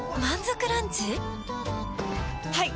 はい！